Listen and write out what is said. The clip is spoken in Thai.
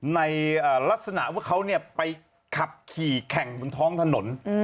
ในลักษณะว่าเขาไปขับขี่แข่งบนท้องถนน